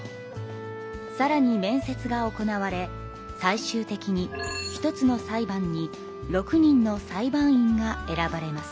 さらに面接が行われ最終的に１つの裁判に６人の裁判員が選ばれます。